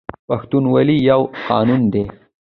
پښتونولي یو قانون دی